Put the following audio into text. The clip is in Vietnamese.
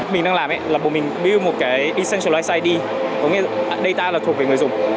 mình đang làm là build một cái essentialized id có nghĩa là data thuộc về người dùng